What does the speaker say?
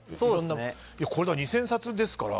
これ、２０００冊ですから。